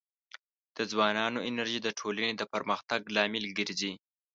د ځوانانو انرژي د ټولنې د پرمختګ لامل ګرځي.